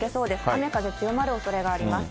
雨、風、強まるおそれがあります。